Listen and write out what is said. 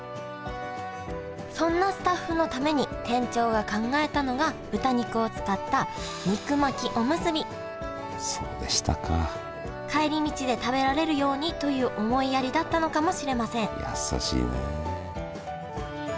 そんなスタッフのために店長が考えたのが豚肉を使った肉巻きおむすび帰り道で食べられるようにという思いやりだったのかもしれません優しいね。